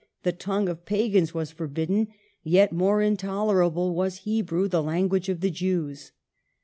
the tongue of pagans, were forbidden, yet more intolerable was Hebrew, the language of the Jews.